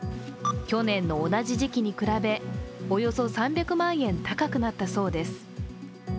去年の同じ時期に比べおよそ３００万円高くなったそうです。